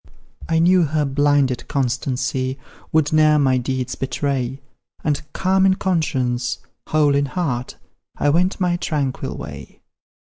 I knew her blinded constancy Would ne'er my deeds betray, And, calm in conscience, whole in heart. I went my tranquil way.